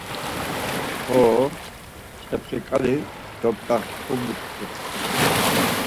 Hoo, ç̌epriǩali dopt̆axumt̆itu.